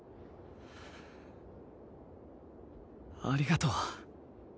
ありがとう。